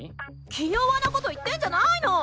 気弱なこと言ってんじゃないの！